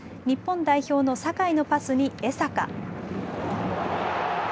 日本代表の酒井のパスに江坂。